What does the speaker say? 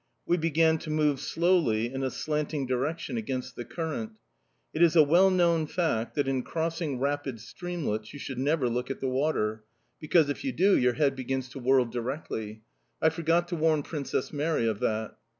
We began to move slowly in a slanting direction against the current. It is a well known fact that, in crossing rapid streamlets, you should never look at the water, because, if you do, your head begins to whirl directly. I forgot to warn Princess Mary of that.